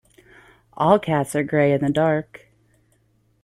All cats are grey in the dark.